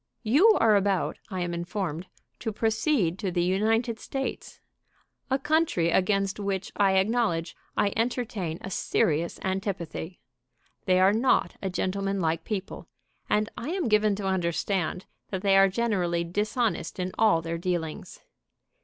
"You are about, I am informed, to proceed to the United States, a country against which I acknowledge I entertain a serious antipathy. They are not a gentlemanlike people, and I am given to understand that they are generally dishonest in all their dealings.